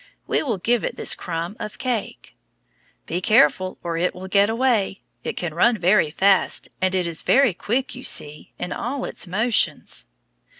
We will give it this crumb of cake. Be careful, or it will get away; it can run very fast, and it is very quick, you see, in all its motions.